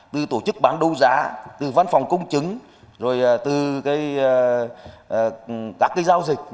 từ tổ chức bán đấu giá từ văn phòng công chứng rồi từ các giao dịch